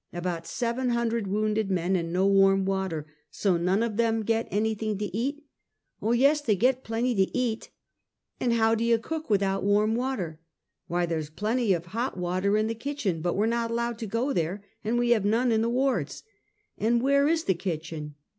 " About seven hundred wounded men, and no warm water! So none of them get anj^thing to eat!" " Oh, yes! they get plenty to eat." "And how do you cook without warm water? "" Why, there's plenty of hot water in the kitchen, but we're not allowed to go there, and we have none in the wards." " Y^here is the kitchen?